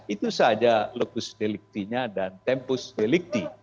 itu saja lokus deliktinya dan tempus delikti